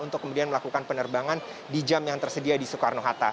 untuk kemudian melakukan penerbangan di jam yang tersedia di soekarno hatta